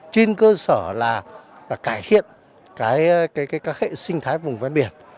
trên cơ sở là cải thiện các hệ sinh thái vùng ven biển